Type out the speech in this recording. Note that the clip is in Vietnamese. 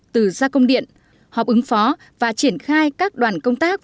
từ ra công điện họp ứng phó và triển khai các đoàn công tác